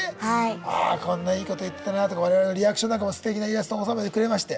ああこんないいこと言ってたなとか我々のリアクションなんかもすてきなイラスト収めてくれまして。